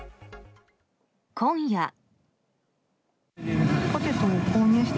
今夜。